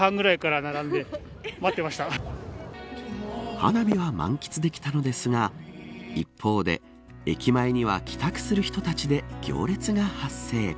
花火は満喫できたのですが一方で、駅前には帰宅する人たちで行列が発生。